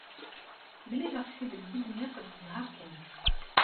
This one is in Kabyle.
Mlaleɣ-t-id deg wezniq d zzheṛ kan.